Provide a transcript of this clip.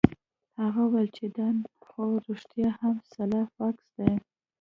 هغه وویل چې دا خو رښتیا هم سلای فاکس دی